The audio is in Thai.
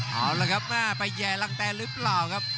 เอาละครับแม่ไปแย่รังแตนหรือเปล่าครับ